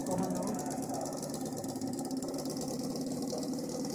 Sus composiciones han sido presentadas por la Filarmónica de Nueva York, Orchestra of St.